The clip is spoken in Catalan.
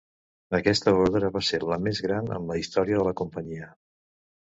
Aquesta ordre va ser la més gran en la història de la companyia.